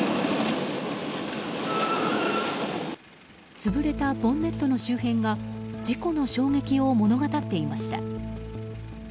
潰れたボンネットの周辺が事故の衝撃を物語っていました。